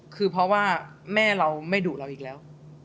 คือเพราะว่าแม่เราไม่ดุเราอีกแล้ว